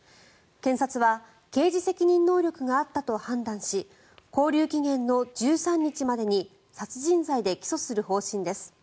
検察は刑事責任能力があったと判断し勾留期限の１３日までに殺人罪で起訴する方針です。